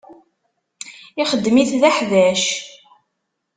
Ixedm-it d aḥbac.